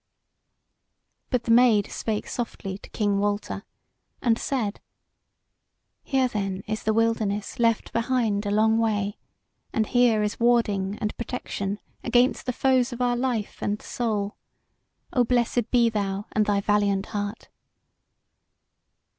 But the Maid spake softly to King Walter and said: "Here then is the wilderness left behind a long way, and here is warding and protection against the foes of our life and soul. O blessed be thou and thy valiant heart!"